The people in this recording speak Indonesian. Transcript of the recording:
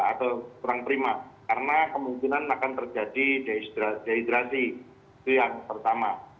atau kurang prima karena kemungkinan akan terjadi dehidrasi itu yang pertama